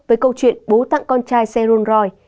với câu chuyện bố tặng con trai xe rolls royce